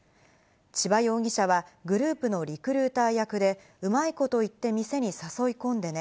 千葉容疑者はグループのリクルーター役で、うまいこと言って店に誘い込んでね。